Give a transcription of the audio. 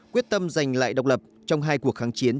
quyết tâm giành lại độc lập trong hai cuộc kháng chiến